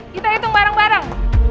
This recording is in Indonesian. kita hitung bareng bareng